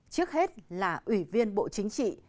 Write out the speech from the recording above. trước hết là ủy viên bộ chính trị